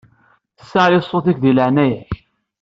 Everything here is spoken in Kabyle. Saɛli ṣṣut-ik di leɛnaya-k.